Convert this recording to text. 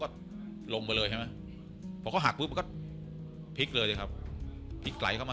ก็ลงไปเลยเห็นไหมเขาหักแล้วก็พลิกเลยครับพลิกไกลเขา